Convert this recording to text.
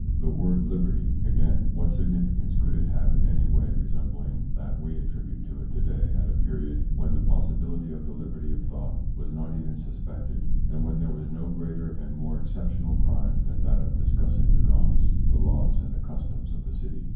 The word "liberty," again, what signification could it have in any way resembling that we attribute to it to day at a period when the possibility of the liberty of thought was not even suspected, and when there was no greater and more exceptional crime than that of discussing the gods, the laws and the customs of the city?